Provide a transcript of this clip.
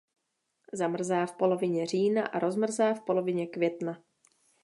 Zamrzá v polovině října a rozmrzá v polovině května.